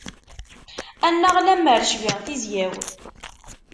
Annaɣ lemmer cbiɣ tizya-w.